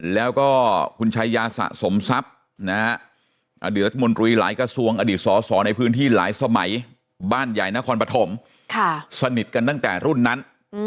แล้วก็คุณชายาสะสมทรัพย์นะฮะอดีตรัฐมนตรีหลายกระทรวงอดีตสอสอในพื้นที่หลายสมัยบ้านใหญ่นครปฐมสนิทกันตั้งแต่รุ่นนั้น